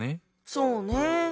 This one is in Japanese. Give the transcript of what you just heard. そうね。